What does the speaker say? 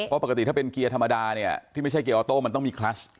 เพราะปกติถ้าเป็นเกียร์ธรรมดาเนี่ยที่ไม่ใช่เกียร์ออโต้มันต้องมีคลัส